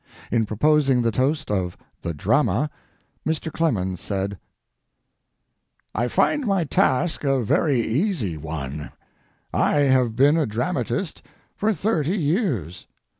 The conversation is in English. In proposing the toast of "The Drama" Mr. Clemens said: I find my task a very easy one. I have been a dramatist for thirty years.